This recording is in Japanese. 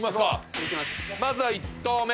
まずは１投目。